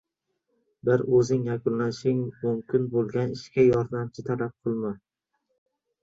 Bir o‘zing yakunlashing mumkin bo‘lgan ishga yordamchi talab qilma.